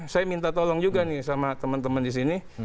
saya minta tolong juga nih sama teman teman disini